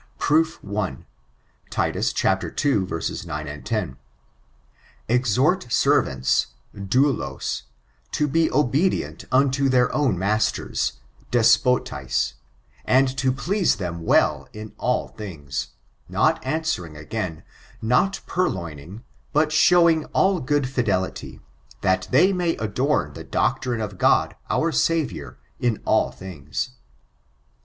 Proof I. — Titus ii 9, 10; *' Exhort servants, douUms, to be obedient unto their own masters, despotais, and to please them well in all things; not answering ag^in, not purloining, [stealing] but shewing all good fidelity; that they may adorn the doctrine of God our Saviour in all things."